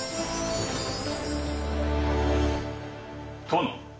殿。